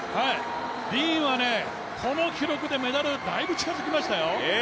ディーンはね、この記録でメダル、だいぶ近づきましたよ。